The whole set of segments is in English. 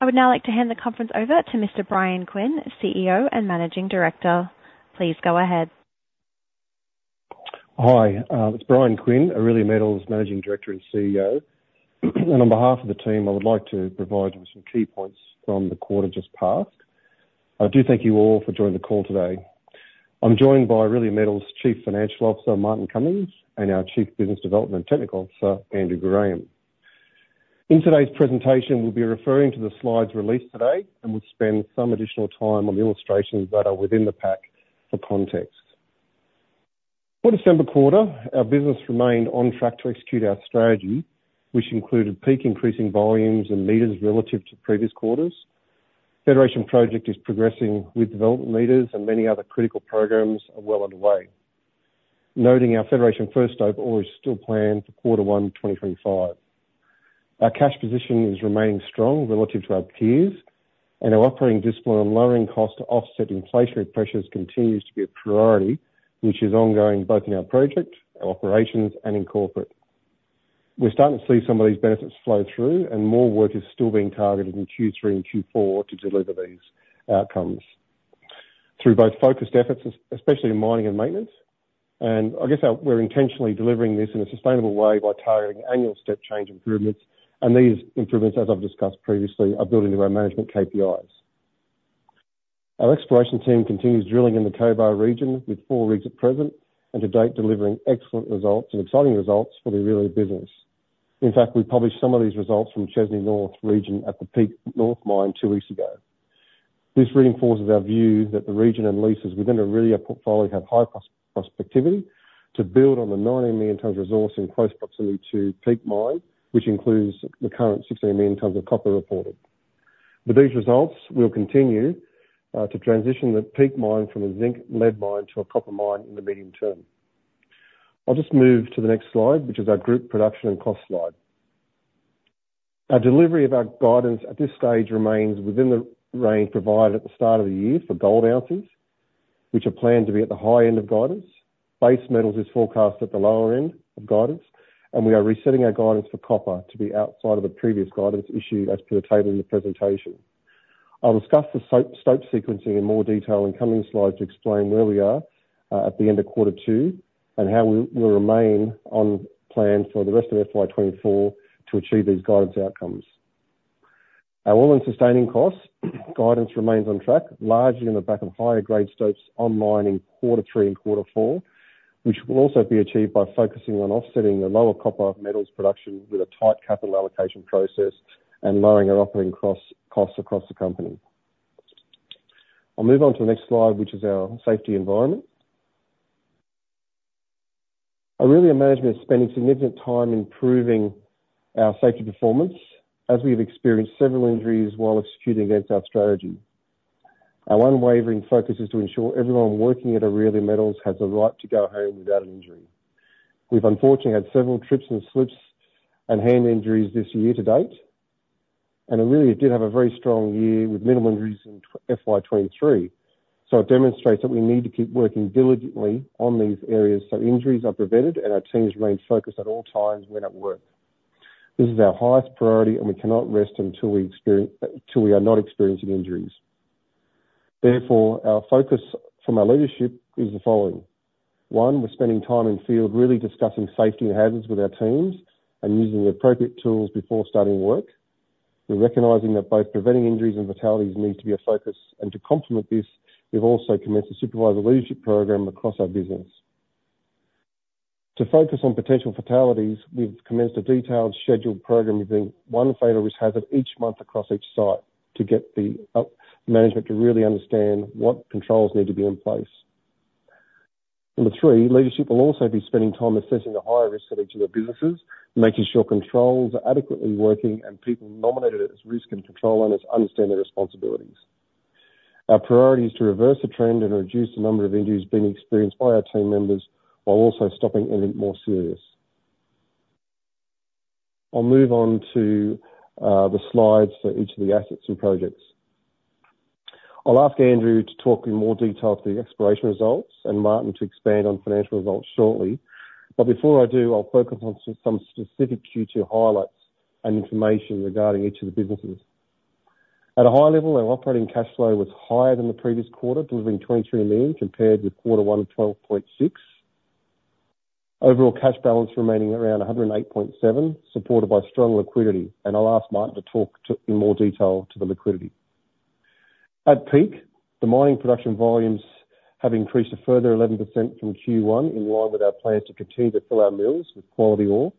I would now like to hand the conference over to Mr. Bryan Quinn, CEO and Managing Director. Please go ahead. Hi. It's Bryan Quinn, Aurelia Metals Managing Director and CEO. On behalf of the team, I would like to provide you with some key points from the quarter just passed. I do thank you all for joining the call today. I'm joined by Aurelia Metals Chief Financial Officer Martin Cummings and our Chief Development and Technical Officer Andrew Graham. In today's presentation, we'll be referring to the slides released today and will spend some additional time on the illustrations that are within the pack for context. For December quarter, our business remained on track to execute our strategy, which included Peak increasing volumes and meters relative to previous quarters. Federation project is progressing with development meters, and many other critical programs are well underway. Noting our Federation first stope as well is still planned for quarter one 2025. Our cash position is remaining strong relative to our peers, and our operating discipline on lowering costs to offset inflationary pressures continues to be a priority, which is ongoing both in our project, our operations, and in corporate. We're starting to see some of these benefits flow through, and more work is still being targeted in Q3 and Q4 to deliver these outcomes through both focused efforts, especially in mining and maintenance. And I guess we're intentionally delivering this in a sustainable way by targeting annual step change improvements. And these improvements, as I've discussed previously, are built into our management KPIs. Our exploration team continues drilling in the Cobar region with four rigs at present and to date delivering excellent results and exciting results for the Aurelia business. In fact, we published some of these results from Chesney North region at the Peak North mine two weeks ago. This reinforces our view that the region and leases within Aurelia portfolio have high prospectivity to build on the 90 million tons resource in close proximity to Peak Mine, which includes the current 16 million tons of copper reported. With these results, we'll continue to transition the Peak Mine from a zinc lead mine to a copper mine in the medium term. I'll just move to the next slide, which is our group production and cost slide. Our delivery of our guidance at this stage remains within the range provided at the start of the year for gold ounces, which are planned to be at the high end of guidance. Base metals is forecast at the lower end of guidance, and we are resetting our guidance for copper to be outside of the previous guidance issued as per the table in the presentation. I'll discuss the stope sequencing in more detail in coming slides to explain where we are at the end of quarter two and how we'll remain on plan for the rest of FY 2024 to achieve these guidance outcomes. Our all-in sustaining costs guidance remains on track, largely in the back of higher grade stopes on mining quarter three and quarter four, which will also be achieved by focusing on offsetting the lower copper metals production with a tight capital allocation process and lowering our operating costs across the company. I'll move on to the next slide, which is our safety environment. Aurelia management is spending significant time improving our safety performance as we have experienced several injuries while executing against our strategy. Our unwavering focus is to ensure everyone working at Aurelia Metals has the right to go home without an injury. We've unfortunately had several trips and slips and hand injuries this year to date. Aurelia did have a very strong year with minimal injuries in FY 2023. It demonstrates that we need to keep working diligently on these areas so injuries are prevented and our teams remain focused at all times when at work. This is our highest priority, and we cannot rest until we are not experiencing injuries. Therefore, our focus from our leadership is the following. One, we're spending time in field really discussing safety and hazards with our teams and using the appropriate tools before starting work. We're recognizing that both preventing injuries and fatalities need to be a focus. To complement this, we've also commenced a supervisor leadership program across our business. To focus on potential fatalities, we've commenced a detailed scheduled program using one fatal risk hazard each month across each site to get the management to really understand what controls need to be in place. Number three, leadership will also be spending time assessing the higher risk at each of the businesses, making sure controls are adequately working and people nominated as risk and control owners understand their responsibilities. Our priority is to reverse the trend and reduce the number of injuries being experienced by our team members while also stopping anything more serious. I'll move on to the slides for each of the assets and projects. I'll ask Andrew to talk in more detail to the exploration results and Martin to expand on financial results shortly. But before I do, I'll focus on some specific Q2 highlights and information regarding each of the businesses. At a high level, our operating cash flow was higher than the previous quarter, delivering 23 million compared with quarter one of 12.6 million. Overall cash balance remaining around 108.7 million, supported by strong liquidity. I'll ask Martin to talk in more detail to the liquidity. At Peak, the mining production volumes have increased a further 11% from Q1 in line with our plan to continue to fill our mills with quality ore.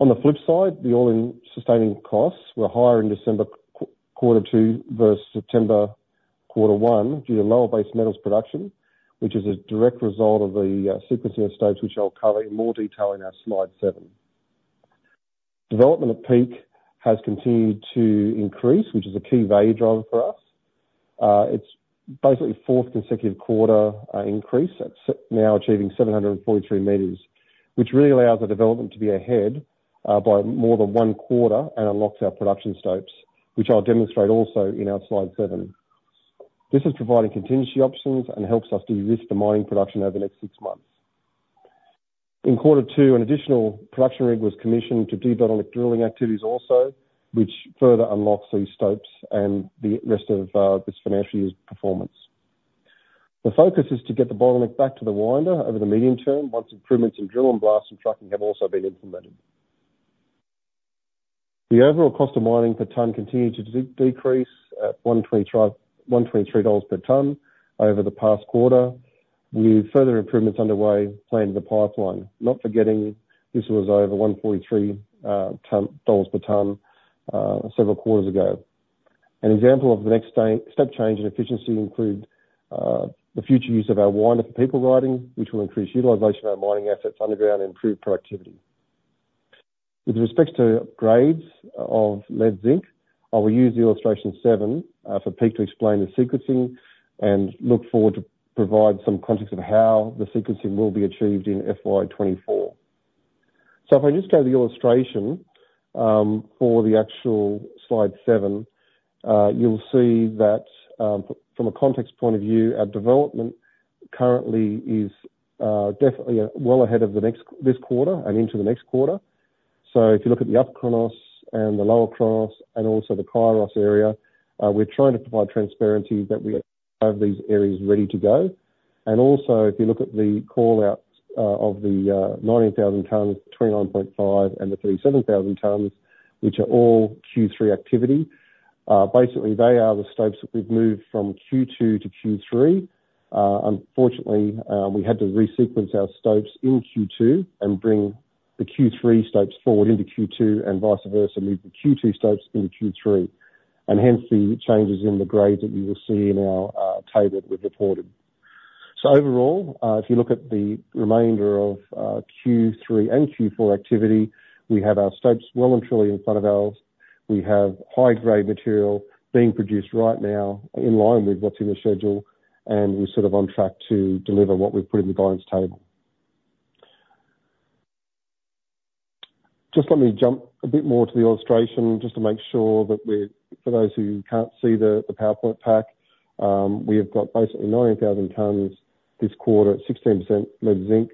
On the flip side, the all-in sustaining costs were higher in December quarter two versus September quarter one due to lower base metals production, which is a direct result of the sequencing of stopes, which I'll cover in more detail in our slide seven. Development at Peak has continued to increase, which is a key value driver for us. It's basically fourth consecutive quarter increase. It's now achieving 743 meters, which really allows our development to be ahead by more than one quarter and unlocks our production stopes, which I'll demonstrate also in our slide seven. This is providing contingency options and helps us de-risk the mining production over the next six months. In quarter two, an additional production rig was commissioned to debottleneck drilling activities also, which further unlocks these stopes and the rest of this financial year's performance. The focus is to get the debottleneck back to the winder over the medium term once improvements in drill and blast and trucking have also been implemented. The overall cost of mining per tonne continued to decrease at 123 dollars per tonne over the past quarter with further improvements underway planned in the pipeline. Not forgetting, this was over 143 dollars per tonne several quarters ago. An example of the next step change in efficiency includes the future use of our winder for people riding, which will increase utilization of our mining assets underground and improve productivity. With respect to upgrades of lead zinc, I will use the illustration seven for Peak to explain the sequencing and look forward to provide some context of how the sequencing will be achieved in FY 2024. So if I just go to the illustration for the actual slide seven, you'll see that from a context point of view, our development currently is definitely well ahead of this quarter and into the next quarter. So if you look at the Upper Chronos and the Lower Chronos and also the Kairos area, we're trying to provide transparency that we have these areas ready to go. And also, if you look at the callouts of the 19,000 tonnes, 29.5, and the 37,000 tonnes, which are all Q3 activity, basically, they are the stopes that we've moved from Q2 to Q3. Unfortunately, we had to resequence our stopes in Q2 and bring the Q3 stopes forward into Q2 and vice versa, move the Q2 stopes into Q3. And hence, the changes in the grades that you will see in our table were reported. So overall, if you look at the remainder of Q3 and Q4 activity, we have our stopes well and truly in front of ours. We have high-grade material being produced right now in line with what's in the schedule, and we're sort of on track to deliver what we've put in the guidance table. Just let me jump a bit more to the illustration just to make sure that for those who can't see the PowerPoint pack, we have got basically 19,000 tonnes this quarter at 16% lead zinc.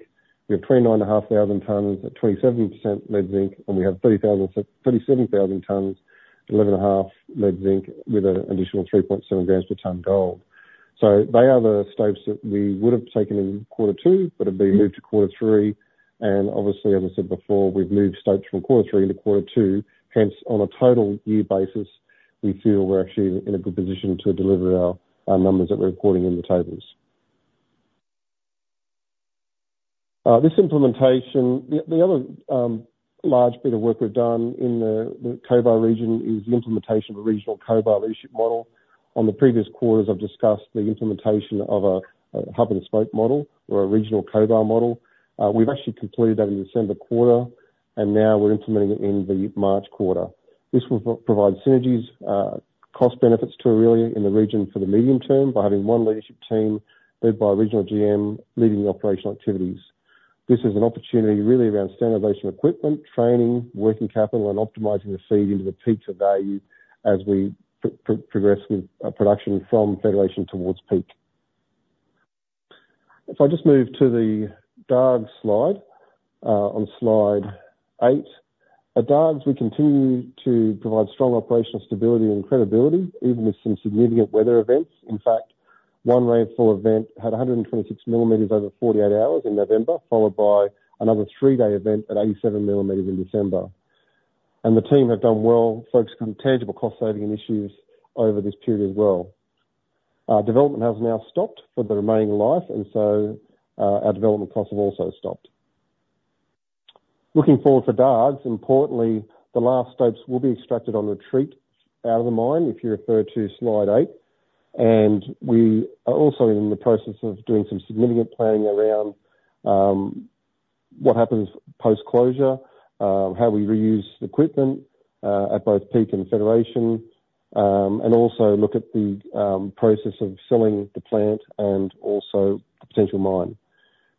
We have 29,500 tonnes at 27% lead zinc, and we have 37,000 tonnes, 11.5 lead zinc with an additional 3.7 grams per tonne gold. So they are the stopes that we would have taken in quarter two but have been moved to quarter three. And obviously, as I said before, we've moved stopes from quarter three into quarter two. Hence, on a total year basis, we feel we're actually in a good position to deliver our numbers that we're recording in the tables. The other large bit of work we've done in the Cobar region is the implementation of a regional Cobar leadership model. On the previous quarters, I've discussed the implementation of a hub-and-spoke model or a regional Cobar model. We've actually completed that in the December quarter, and now we're implementing it in the March quarter. This will provide synergies, cost benefits to Aurelia in the region for the medium term by having one leadership team led by a regional GM leading the operational activities. This is an opportunity really around standardization equipment, training, working capital, and optimizing the feed into the Peak to value as we progress with production from Federation towards Peak. If I just move to the Dargues slide on slide eight, at Dargues, we continue to provide strong operational stability and credibility even with some significant weather events. In fact, one rainfall event had 126 millimeters over 48 hours in November, followed by another three-day event at 87 millimeters in December. The team have done well focusing on tangible cost-saving initiatives over this period as well. Development has now stopped for the remaining life, and so our development costs have also stopped. Looking forward for Dargues, importantly, the last stopes will be extracted on retreat out of the mine, if you refer to slide eight. We are also in the process of doing some significant planning around what happens post-closure, how we reuse equipment at both Peak and Federation, and also look at the process of selling the plant and also the potential mine.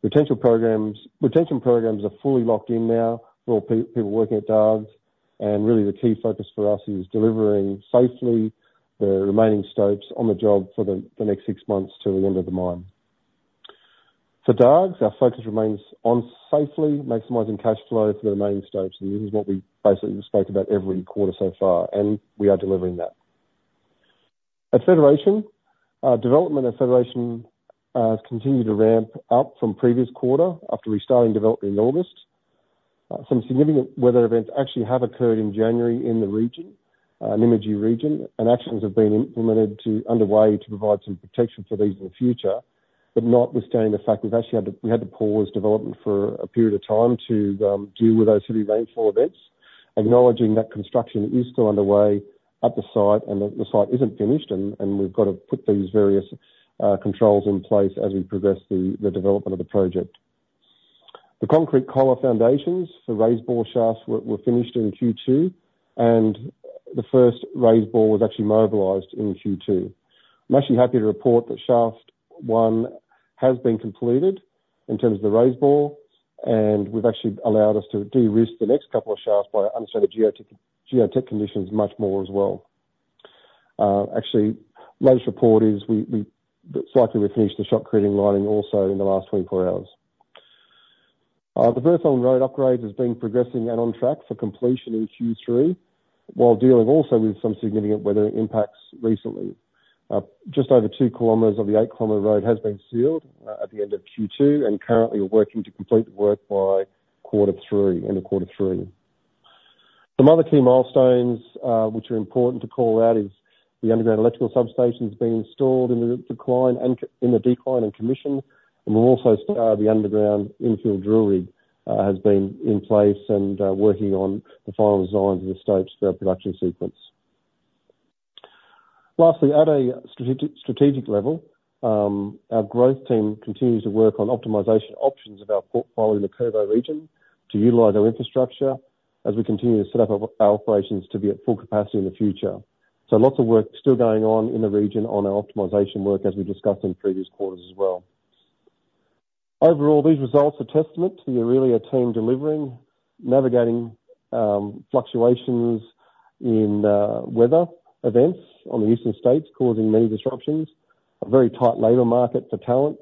Retention programs are fully locked in now for all people working at Dargues. Really, the key focus for us is delivering safely the remaining stopes on the job for the next six months till the end of the mine. For Dargues, our focus remains on safely maximizing cash flow for the remaining stopes. This is what we basically spoke about every quarter so far, and we are delivering that. At Federation, development at Federation has continued to ramp up from previous quarter after restarting development in August. Some significant weather events actually have occurred in January in the region, Nymagee region. Actions have been underway to provide some protection for these in the future, but notwithstanding the fact we've actually had to pause development for a period of time to deal with those heavy rainfall events, acknowledging that construction is still underway at the site and the site isn't finished. And we've got to put these various controls in place as we progress the development of the project. The concrete collar foundations for raise bore shafts were finished in Q2, and the first raise bore was actually mobilized in Q2. I'm actually happy to report that shaft 1 has been completed in terms of the raise bore, and we've actually allowed us to de-risk the next couple of shafts by understanding geotech conditions much more as well. Actually, the latest report is that likely we finished the shotcrete lining also in the last 24 hours. The Burthong Road upgrade is progressing and on track for completion in Q3 while dealing also with some significant weather impacts recently. Just over 2 km of the km road has been sealed at the end of Q2 and currently working to complete the work by end of quarter three. Some other key milestones which are important to call out are the underground electrical substation's been installed in the decline and commissioned. And we'll also start the underground infill drill rig has been in place and working on the final designs of the stopes for our production sequence. Lastly, at a strategic level, our growth team continues to work on optimization options of our portfolio in the Cobar region to utilize our infrastructure as we continue to set up our operations to be at full capacity in the future. So lots of work still going on in the region on our optimization work as we discussed in previous quarters as well. Overall, these results are testament to the Aurelia team delivering, navigating fluctuations in weather events on the eastern states causing many disruptions, a very tight labor market for talent,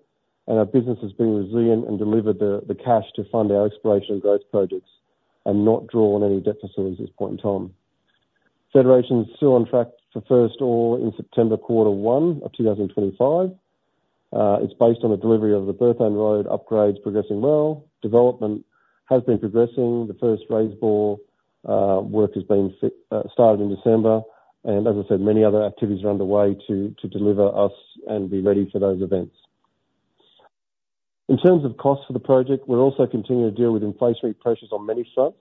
and our business has been resilient and delivered the cash to fund our exploration and growth projects and not draw on any debt facilities at this point in time. Federation's still on track for first ore in September quarter one of 2025. It's based on the delivery of the Burthong Road upgrades progressing well. Development has been progressing. The first raise bore work has been started in December. And as I said, many other activities are underway to deliver us and be ready for those events. In terms of costs for the project, we're also continuing to deal with inflationary pressures on many fronts.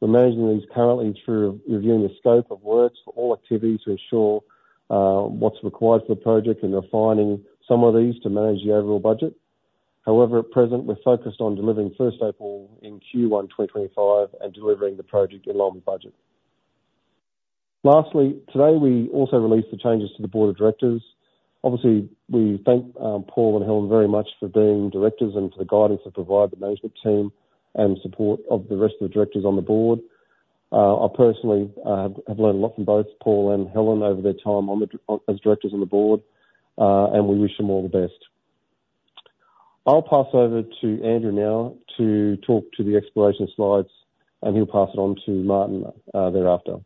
We're managing these currently through reviewing the scope of work for all activities to ensure what's required for the project and refining some of these to manage the overall budget. However, at present, we're focused on delivering first ore in Q1 2025 and delivering the project in line with budget. Lastly, today, we also released the changes to the board of directors. Obviously, we thank Paul and Helen very much for being directors and for the guidance they provide the management team and support of the rest of the directors on the board. I personally have learned a lot from both Paul and Helen over their time as directors on the board, and we wish them all the best. I'll pass over to Andrew now to talk to the exploration slides, and he'll pass it on to Martin thereafter.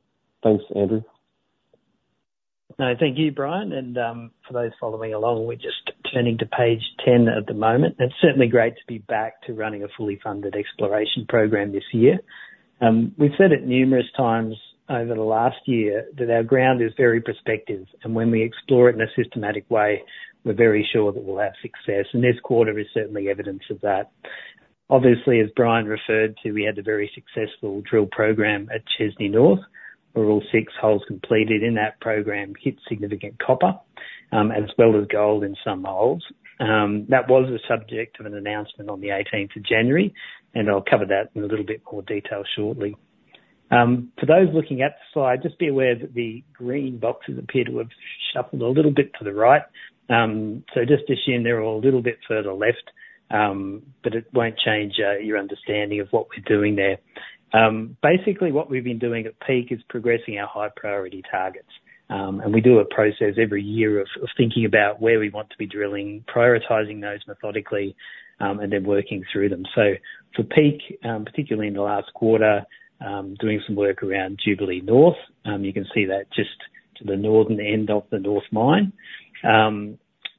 Thanks, Andrew. Thank you, Bryan. And for those following along, we're just turning to page 10 at the moment. It's certainly great to be back to running a fully funded exploration program this year. We've said it numerous times over the last year that our ground is very prospective. And when we explore it in a systematic way, we're very sure that we'll have success. And this quarter is certainly evidence of that. Obviously, as Bryan referred to, we had a very successful drill program at Chesney North where all six holes completed in that program hit significant copper as well as gold in some holes. That was the subject of an announcement on the 18th of January, and I'll cover that in a little bit more detail shortly. For those looking at the slide, just be aware that the green boxes appear to have shuffled a little bit to the right. So just assume they're all a little bit further left, but it won't change your understanding of what we're doing there. Basically, what we've been doing at Peak is progressing our high-priority targets. And we do a process every year of thinking about where we want to be drilling, prioritizing those methodically, and then working through them. So for Peak, particularly in the last quarter, doing some work around Jubilee North, you can see that just to the northern end of the North Mine.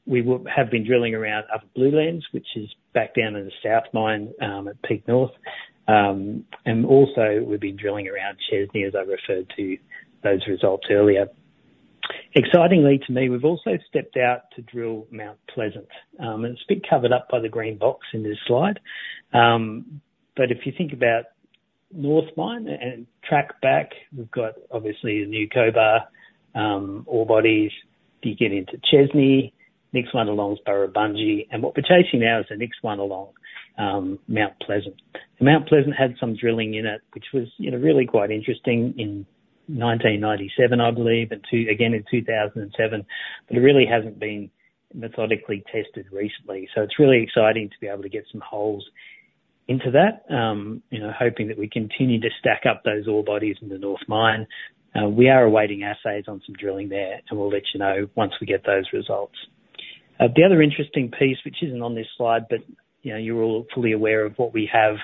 We have been drilling around Upper Blue Lens, which is back down in the south mine at Peak North. And also, we've been drilling around Chesney, as I referred to those results earlier. Excitingly to me, we've also stepped out to drill Mount Pleasant. And it's a bit covered up by the green box in this slide. But if you think about North Mine and track back, we've got, obviously, the New Cobar ore bodies. You get into Chesney, the next one along's Burrabungie. And what we're chasing now is the next one along, Mount Pleasant. And Mount Pleasant had some drilling in it, which was really quite interesting in 1997, I believe, and again in 2007. But it really hasn't been methodically tested recently. So it's really exciting to be able to get some holes into that, hoping that we continue to stack up those ore bodies in the north mine. We are awaiting assays on some drilling there, and we'll let you know once we get those results. The other interesting piece, which isn't on this slide, but you're all fully aware of what we have,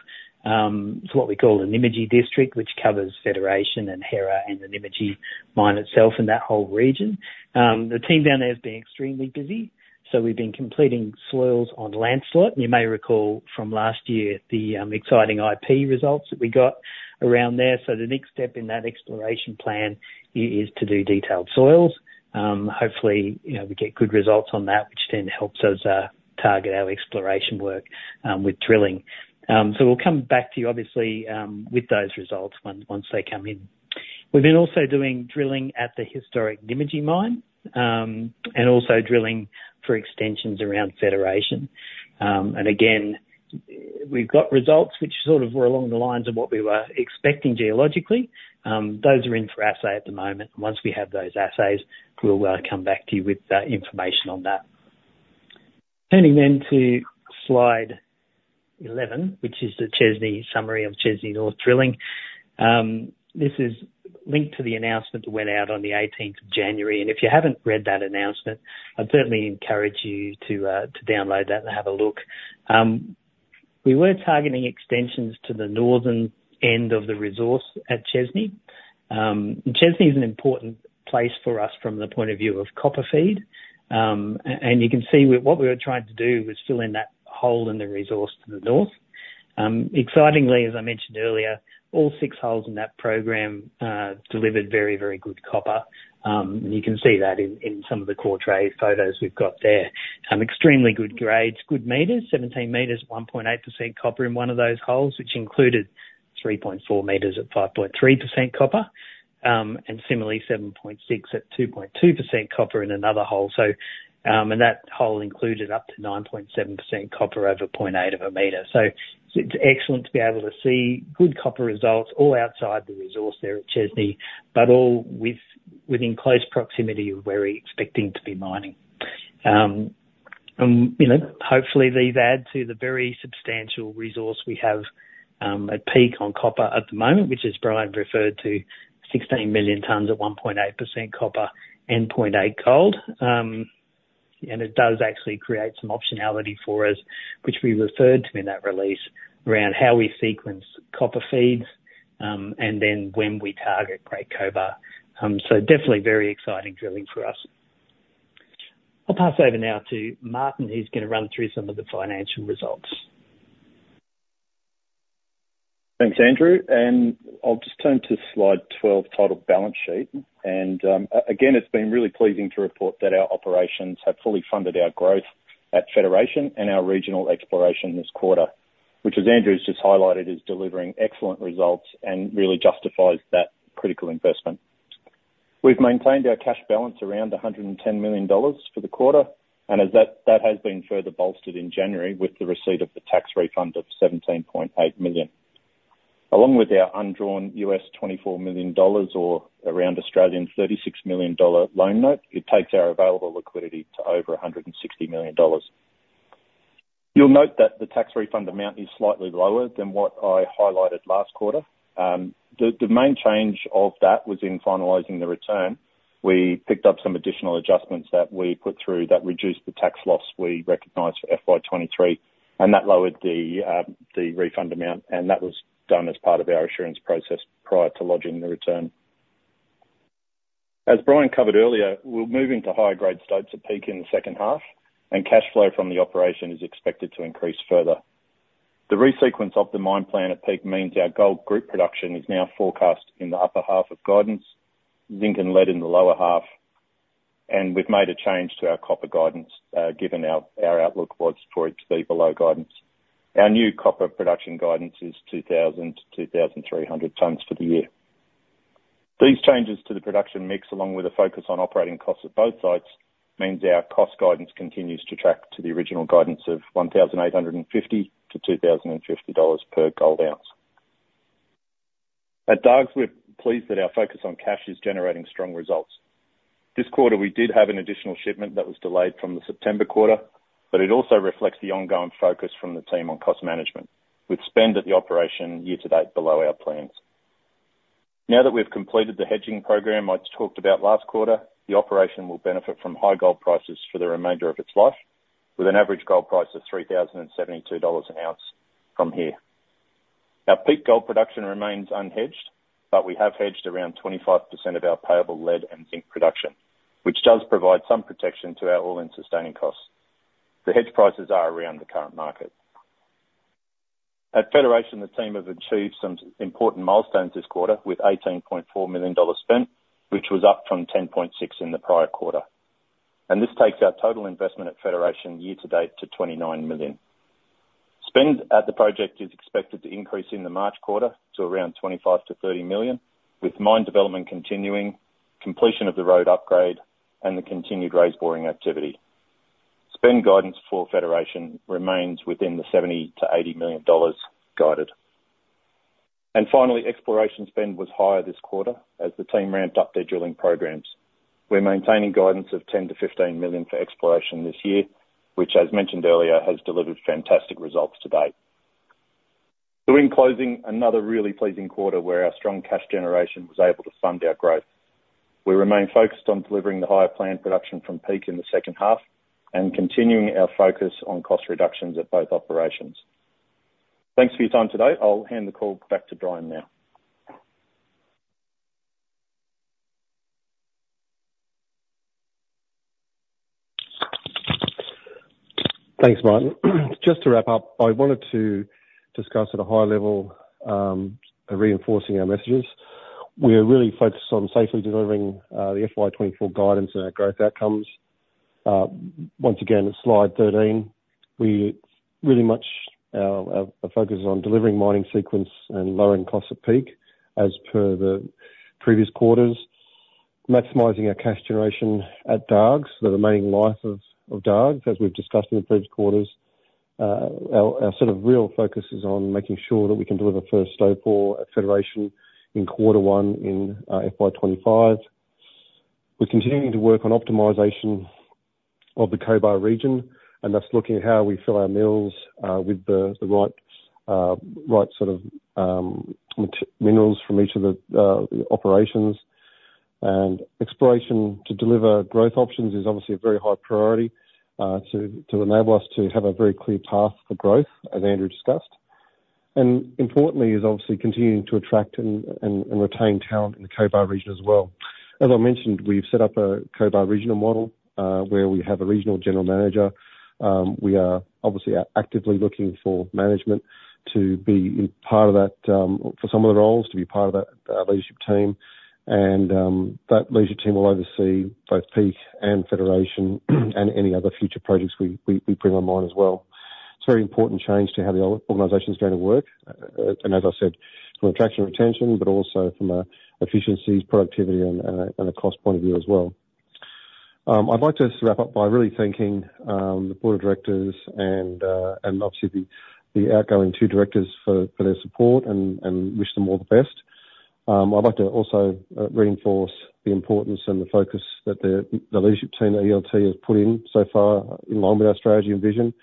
it's what we call the Nymagee district, which covers Federation and Hera and the Nymagee mine itself in that whole region. The team down there has been extremely busy. So we've been completing soils on Llah site. And you may recall from last year the exciting IP results that we got around there. So the next step in that exploration plan is to do detailed soils. Hopefully, we get good results on that, which then helps us target our exploration work with drilling. So we'll come back to you, obviously, with those results once they come in. We've been also doing drilling at the historic Nymagee mine and also drilling for extensions around Federation. Again, we've got results which sort of were along the lines of what we were expecting geologically. Those are in for assay at the moment. Once we have those assays, we'll come back to you with information on that. Turning then to slide 11, which is the summary of Chesney North drilling. This is linked to the announcement that went out on the 18th of January. If you haven't read that announcement, I'd certainly encourage you to download that and have a look. We were targeting extensions to the northern end of the resource at Chesney. Chesney is an important place for us from the point of view of copper feed. You can see what we were trying to do was fill in that hole in the resource to the north. Excitingly, as I mentioned earlier, all six holes in that program delivered very, very good copper. You can see that in some of the core tray photos we've got there. Extremely good grades, good meters, 17 meters, 1.8% copper in one of those holes, which included 3.4 meters at 5.3% copper and similarly 7.6 at 2.2% copper in another hole. That hole included up to 9.7% copper over 0.8 of a meter. So it's excellent to be able to see good copper results all outside the resource there at Chesney, but all within close proximity of where we're expecting to be mining. And hopefully, these add to the very substantial resource we have at Peak on copper at the moment, which as Bryan referred to, 16 million tonnes at 1.8% copper and 0.8 gold. And it does actually create some optionality for us, which we referred to in that release, around how we sequence copper feeds and then when we target Great Cobar. So definitely very exciting drilling for us. I'll pass over now to Martin, who's going to run through some of the financial results. Thanks, Andrew. And I'll just turn to slide 12, titled Balance Sheet. And again, it's been really pleasing to report that our operations have fully funded our growth at Federation and our regional exploration this quarter, which as Andrew has just highlighted is delivering excellent results and really justifies that critical investment. We've maintained our cash balance around 110 million dollars for the quarter, and that has been further bolstered in January with the receipt of the tax refund of 17.8 million. Along with our undrawn $24 million or around 36 million Australian dollars loan note, it takes our available liquidity to over 160 million dollars. You'll note that the tax refund amount is slightly lower than what I highlighted last quarter. The main change of that was in finalizing the return. We picked up some additional adjustments that we put through that reduced the tax loss we recognized for FY 2023, and that lowered the refund amount. That was done as part of our assurance process prior to lodging the return. As Bryan covered earlier, we're moving to higher-grade stope at Peak in the second half, and cash flow from the operation is expected to increase further. The resequence of the mine plan at Peak means our gold group production is now forecast in the upper half of guidance, zinc and lead in the lower half. We've made a change to our copper guidance given our outlook was for it to be below guidance. Our new copper production guidance is 2,000-2,300 tonnes for the year. These changes to the production mix, along with a focus on operating costs at both sites, means our cost guidance continues to track to the original guidance of $1,850-$2,050 per gold ounce. At Dargues, we're pleased that our focus on cash is generating strong results. This quarter, we did have an additional shipment that was delayed from the September quarter, but it also reflects the ongoing focus from the team on cost management with spend at the operation year to date below our plans. Now that we've completed the hedging program I talked about last quarter, the operation will benefit from high gold prices for the remainder of its life with an average gold price of $3,072 an ounce from here. Our peak gold production remains unhedged, but we have hedged around 25% of our payable lead and zinc production, which does provide some protection to our oil and sustaining costs. The hedge prices are around the current market. At Federation, the team have achieved some important milestones this quarter with 18.4 million dollars spent, which was up from 10.6 million in the prior quarter. This takes our total investment at Federation year to date to 29 million. Spend at the project is expected to increase in the March quarter to around 25 million-30 million with mine development continuing, completion of the road upgrade, and the continued raised boring activity. Spend guidance for Federation remains within the 70 million-80 million dollars guided. Finally, exploration spend was higher this quarter as the team ramped up their drilling programs. We're maintaining guidance of 10 million-15 million for exploration this year, which, as mentioned earlier, has delivered fantastic results to date. We're closing another really pleasing quarter where our strong cash generation was able to fund our growth. We remain focused on delivering the higher planned production from Peak in the second half and continuing our focus on cost reductions at both operations. Thanks for your time today. I'll hand the call back to Bryan now. Thanks, Martin. Just to wrap up, I wanted to discuss at a high level reinforcing our messages. We're really focused on safely delivering the FY 2024 guidance and our growth outcomes. Once again, slide 13, we really much focus on delivering mining sequence and lowering costs at Peak as per the previous quarters, maximizing our cash generation at Dargues, the remaining life of Dargues as we've discussed in the previous quarters. Our sort of real focus is on making sure that we can deliver first ore at Federation in quarter one in FY 2025. We're continuing to work on optimization of the Cobar region, and that's looking at how we fill our mills with the right sort of minerals from each of the operations. Exploration to deliver growth options is obviously a very high priority to enable us to have a very clear path for growth, as Andrew discussed. Importantly, is obviously continuing to attract and retain talent in the Cobar region as well. As I mentioned, we've set up a Cobar regional model where we have a regional general manager. We are obviously actively looking for management to be part of that for some of the roles, to be part of that leadership team. And that leadership team will oversee both Peak and Federation and any other future projects we bring online as well. It's a very important change to how the organization's going to work, and as I said, from attraction and retention, but also from efficiencies, productivity, and a cost point of view as well. I'd like to wrap up by really thanking the board of directors and obviously the outgoing two directors for their support and wish them all the best. I'd like to also reinforce the importance and the focus that the leadership team, the ELT, has put in so far in line with our strategy and vision.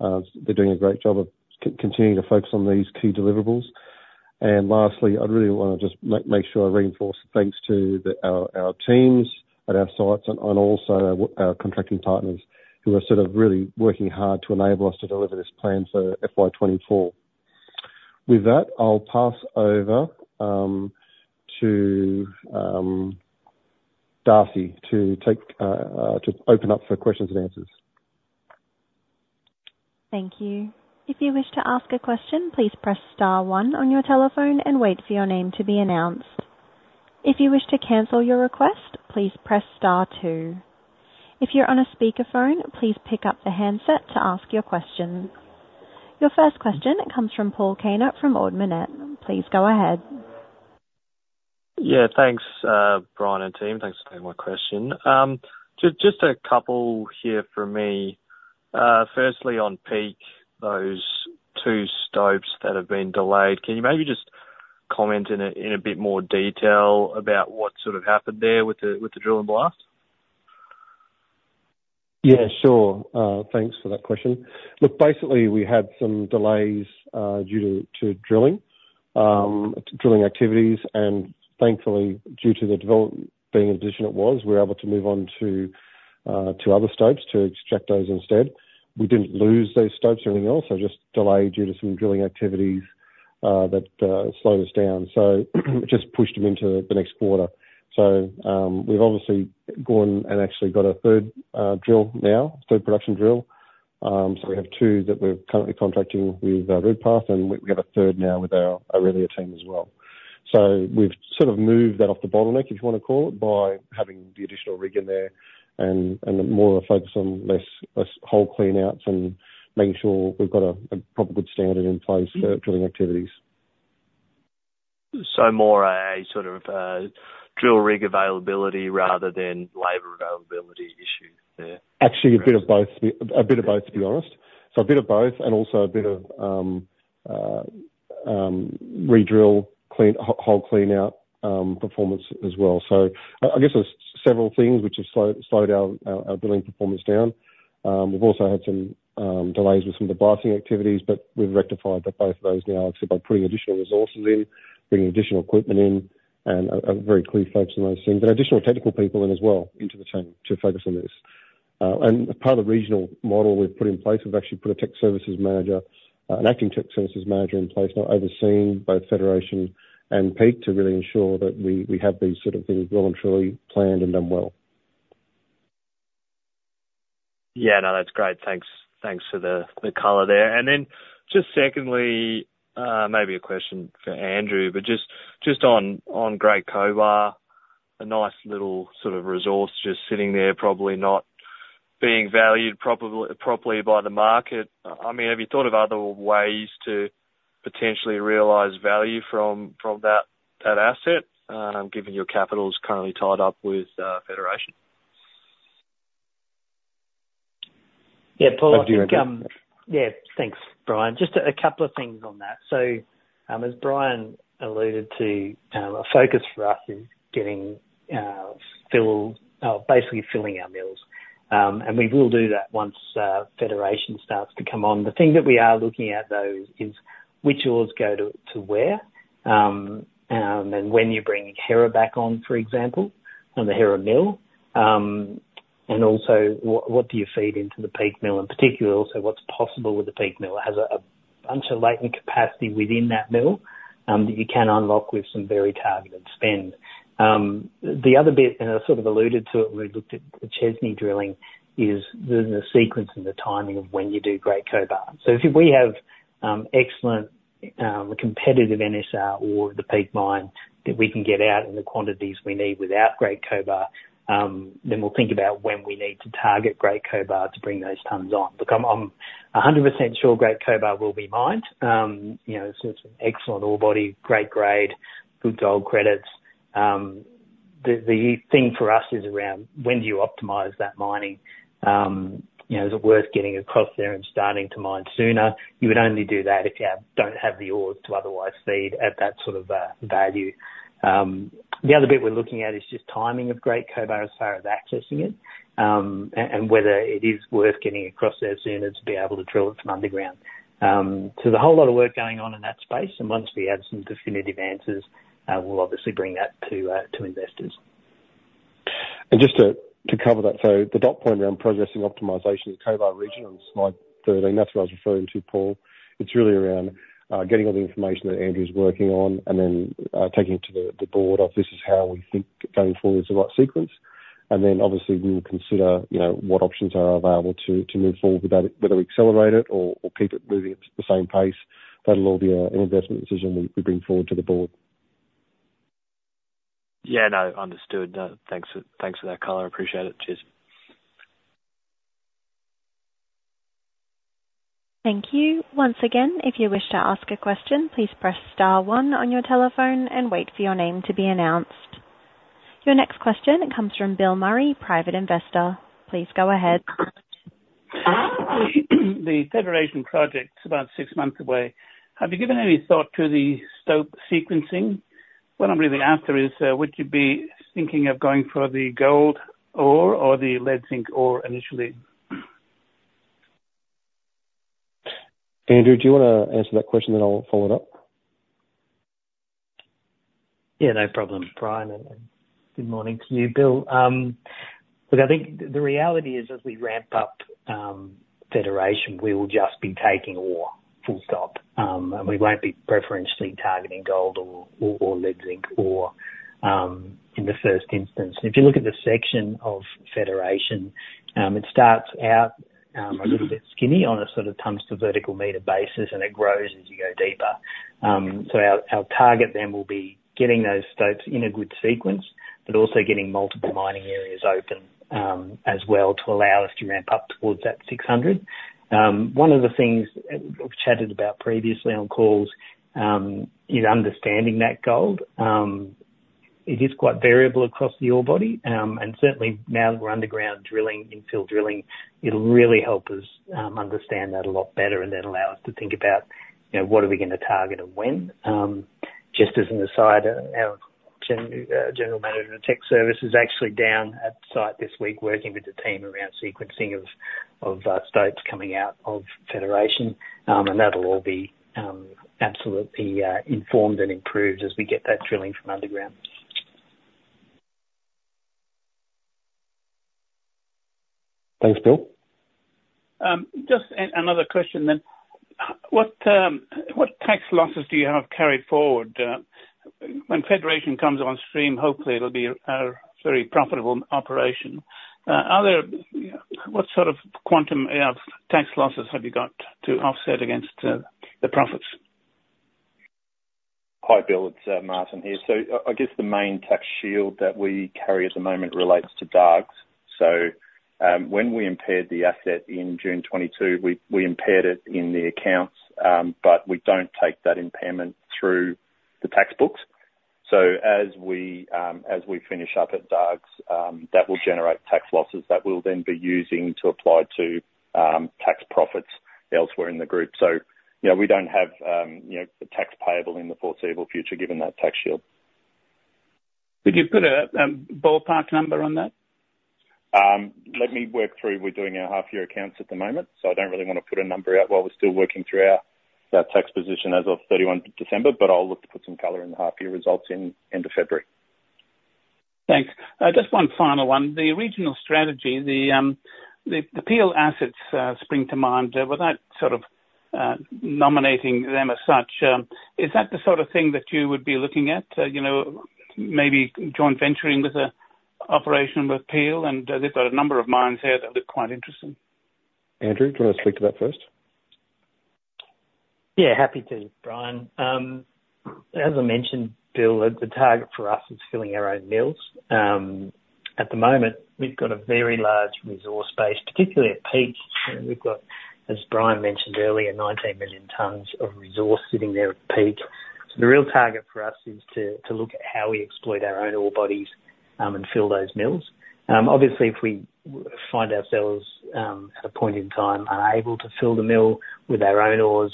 They're doing a great job of continuing to focus on these key deliverables. Lastly, I'd really want to just make sure I reinforce the thanks to our teams at our sites and also our contracting partners who are sort of really working hard to enable us to deliver this plan for FY 2024. With that, I'll pass over to Darcy to open up for questions and answers. Thank you. If you wish to ask a question, please press star one on your telephone and wait for your name to be announced. If you wish to cancel your request, please press star two. If you're on a speakerphone, please pick up the handset to ask your question. Your first question comes from Paul Kaner from Ord Minnett. Please go ahead. Yeah. Thanks, Bryan and team. Thanks for taking my question. Just a couple here for me. Firstly, on Peak, those two stopes that have been delayed, can you maybe just comment in a bit more detail about what sort of happened there with the drill and blast? Yeah. Sure. Thanks for that question. Look, basically, we had some delays due to drilling activities. And thankfully, due to the development being in addition, it was, we were able to move on to other stopes to extract those instead. We didn't lose those stopes or anything else. They just delayed due to some drilling activities that slowed us down. So it just pushed them into the next quarter. So we've obviously gone and actually got a third drill now, third production drill. So we have two that we're currently contracting with Redpath, and we have a third now with our Aurelia team as well. So we've sort of moved that off the bottleneck, if you want to call it, by having the additional rig in there and more of a focus on less hole clean-outs and making sure we've got a proper good standard in place for drilling activities. So more a sort of drill rig availability rather than labor availability issue there? Actually, a bit of both, a bit of both, to be honest. So a bit of both and also a bit of redrill, hole clean-out performance as well. So I guess there's several things which have slowed our drilling performance down. We've also had some delays with some of the blasting activities, but we've rectified both of those now, obviously, by putting additional resources in, bringing additional equipment in, and a very clear focus on those things, and additional technical people in as well into the team to focus on this. Part of the regional model we've put in place, we've actually put an acting tech services manager in place now overseeing both Federation and Peak to really ensure that we have these sort of things well and truly planned and done well. Yeah. No, that's great. Thanks for the color there. Then just secondly, maybe a question for Andrew, but just on Great Cobar, a nice little sort of resource just sitting there, probably not being valued properly by the market. I mean, have you thought of other ways to potentially realize value from that asset given your capital's currently tied up with Federation? Yeah. Paul, I think yeah. Thanks, Bryan. Just a couple of things on that. So as Bryan alluded to, a focus for us is basically filling our mills. And we will do that once Federation starts to come on. The thing that we are looking at, though, is which ores go to where and when you're bringing Hera back on, for example, and the Hera mill. And also, what do you feed into the Peak mill? In particular, also, what's possible with the Peak mill? It has a bunch of latent capacity within that mill that you can unlock with some very targeted spend. The other bit, and I sort of alluded to it when we looked at the Chesney drilling, is the sequence and the timing of when you do Great Cobar. So if we have excellent, competitive NSR ore at the Peak Mine that we can get out in the quantities we need without Great Cobar, then we'll think about when we need to target Great Cobar to bring those tonnes on. Look, I'm 100% sure Great Cobar will be mined. It's an excellent orebody, great grade, good gold credits. The thing for us is around when do you optimize that mining? Is it worth getting across there and starting to mine sooner? You would only do that if you don't have the ores to otherwise feed at that sort of value. The other bit we're looking at is just timing of Great Cobar as far as accessing it and whether it is worth getting across there sooner to be able to drill it from underground. So there's a whole lot of work going on in that space. And once we have some definitive answers, we'll obviously bring that to investors. And just to cover that, so the dot point around progressing optimization of the Cobar region on slide 13, that's what I was referring to, Paul. It's really around getting all the information that Andrew's working on and then taking it to the board of, "This is how we think going forward is the right sequence." And then, obviously, we will consider what options are available to move forward with that, whether we accelerate it or keep it moving at the same pace. That'll all be an investment decision we bring forward to the board. Yeah. No. Understood. Thanks for that color. Appreciate it. Cheers. Thank you. Once again, if you wish to ask a question, please press star one on your telephone and wait for your name to be announced. Your next question, it comes from Bill Murray, private investor. Please go ahead. The Federation project's about six months away. Have you given any thought to the stope sequencing? What I'm really after is, would you be thinking of going for the gold ore or the lead-zinc ore initially? Andrew, do you want to answer that question, then I'll follow it up? Yeah. No problem, Bryan. And good morning to you, Bill. Look, I think the reality is, as we ramp up Federation, we will just be taking ore, full stop. And we won't be preferentially targeting gold or lead-zinc ore in the first instance. And if you look at the section of Federation, it starts out a little bit skinny on a sort of tons-to-vertical-meter basis, and it grows as you go deeper. So our target then will be getting those stopes in a good sequence but also getting multiple mining areas open as well to allow us to ramp up towards that 600. One of the things we've chatted about previously on calls is understanding that gold. It is quite variable across the orebody. Certainly, now that we're underground drilling, infill drilling, it'll really help us understand that a lot better and then allow us to think about what are we going to target and when. Just as an aside, our general manager of tech services is actually down at site this week working with the team around sequencing of stopes coming out of Federation. That'll all be absolutely informed and improved as we get that drilling from underground. Thanks, Bill. Just another question. What tax losses do you have carried forward? When Federation comes on stream, hopefully, it'll be a very profitable operation. What sort of quantum tax losses have you got to offset against the profits? Hi, Bill. It's Martin here. So I guess the main tax shield that we carry at the moment relates to Hera's. So when we impaired the asset in June 2022, we impaired it in the accounts, but we don't take that impairment through the tax books. So as we finish up at Hera's, that will generate tax losses that we'll then be using to apply to tax profits elsewhere in the group. So we don't have a tax payable in the foreseeable future given that tax shield. Could you put a ballpark number on that? Let me work through. We're doing our half-year accounts at the moment, so I don't really want to put a number out while we're still working through our tax position as of December 31. But I'll look to put some color in the half-year results at end of February. Thanks. Just one final one. The regional strategy, the Peel assets spring to mind. Without sort of nominating them as such, is that the sort of thing that you would be looking at? Maybe joint venturing with an operation with Peel? And they've got a number of mines there that look quite interesting. Andrew, do you want to speak to that first? Yeah. Happy to, Bryan. As I mentioned, Bill, the target for us is filling our own mills. At the moment, we've got a very large resource base, particularly at Peak. We've got, as Bryan mentioned earlier, 19 million tonnes of resource sitting there at Peak. So the real target for us is to look at how we exploit our own ore bodies and fill those mills. Obviously, if we find ourselves at a point in time unable to fill the mill with our own ores,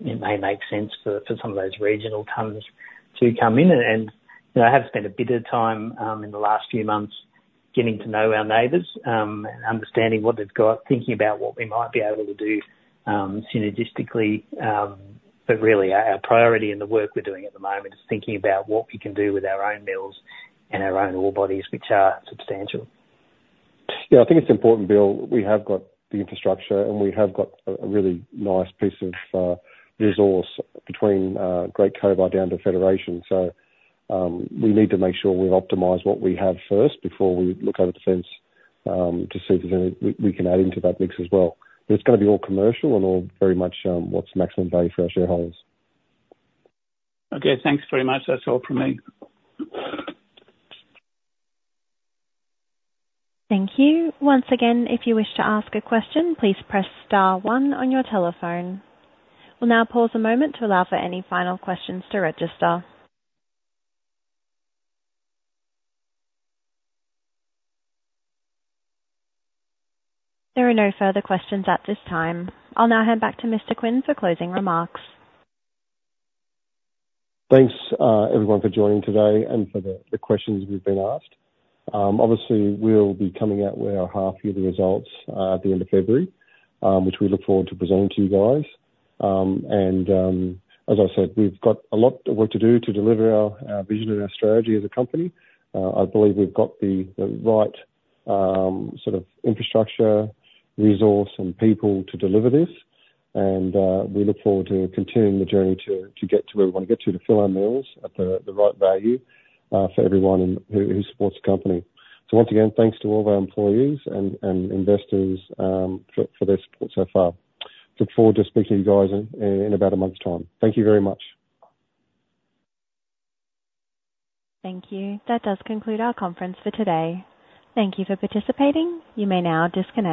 it may make sense for some of those regional tonnes to come in. And I have spent a bit of time in the last few months getting to know our neighbors and understanding what they've got, thinking about what we might be able to do synergistically. But really, our priority in the work we're doing at the moment is thinking about what we can do with our own mills and our own ore bodies, which are substantial. Yeah. I think it's important, Bill. We have got the infrastructure, and we have got a really nice piece of resource between Great Cobar down to Federation. So we need to make sure we've optimized what we have first before we look over the fence to see if we can add into that mix as well. But it's going to be all commercial and all very much what's maximum value for our shareholders. Okay. Thanks very much. That's all from me. Thank you. Once again, if you wish to ask a question, please press star one on your telephone. We'll now pause a moment to allow for any final questions to register. There are no further questions at this time. I'll now hand back to Mr. Quinn for closing remarks. Thanks, everyone, for joining today and for the questions we've been asked. Obviously, we'll be coming out with our half-year results at the end of February, which we look forward to presenting to you guys. As I said, we've got a lot of work to do to deliver our vision and our strategy as a company. I believe we've got the right sort of infrastructure, resource, and people to deliver this. We look forward to continuing the journey to get to where we want to get to, to fill our mills at the right value for everyone who supports the company. Once again, thanks to all our employees and investors for their support so far. Look forward to speaking to you guys in about a month's time. Thank you very much. Thank you. That does conclude our conference for today. Thank you for participating. You may now disconnect.